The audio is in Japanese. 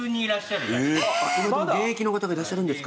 現役の方がいらっしゃるんですか。